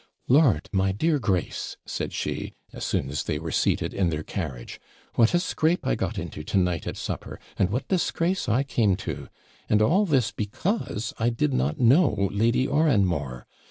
'Lord! my dear Grace!' said she, as soon as they were seated in their carriage, 'what a scrape I got into to night at supper, and what disgrace I came to! and all this because I did not know Lady Oranmore.